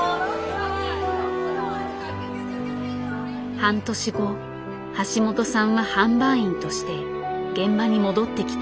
半年後橋本さんは販売員として現場に戻ってきた。